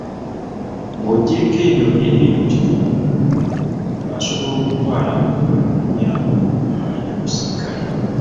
Ng'oggyeeko ebyo ebiri mu katundu , omuntu asobola okutwala okwemulugunya kwe eri omusirikale.